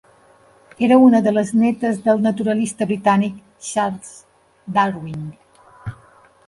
Era una de les netes del naturalista britànic Charles Darwin.